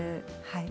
はい。